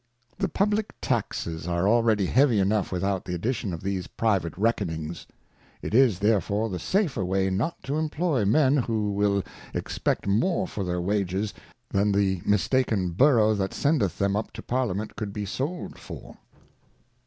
The Publick Taxes are already heavy enough without the addition of these private Reckonings. It is therefore the safer way not to employ Men, who will expect more for their Wages, than the mistaken Borough that sendeth them up to Parliament could be sold for.